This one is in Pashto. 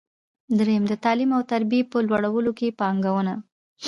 درېیم: د تعلیم او تربیې په لوړولو کې پانګونه.